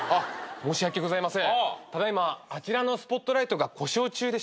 申し訳ございません。